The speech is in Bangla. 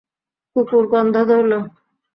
কুকুর গন্ধ ধরল।